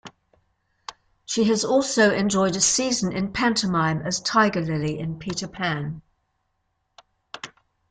She has also enjoyed a season in pantomime as Tiger Lilly in "Peter Pan".